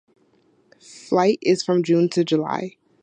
Flight is from June to July.